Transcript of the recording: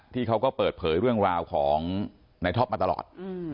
เขาก็เปิดเผยเรื่องราวของในท็อปมาตลอด